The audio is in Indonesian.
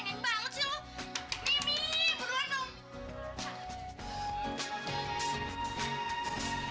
mimi berulang dong